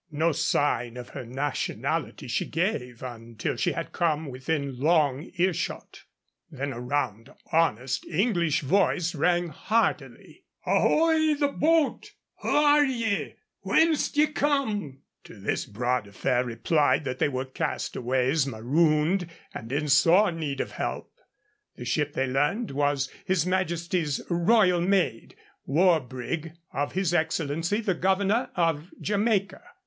No sign of her nationality she gave until she had come within long earshot. Then a round, honest English voice rang heartily: "Ahoy the boat! Who are ye? Whence d'ye come?" To this Bras de Fer replied that they were castaways, marooned, and in sore need of help. The ship, they learned, was his Majesty's Royal Maid, war brig of his excellency the governor of Jamaica.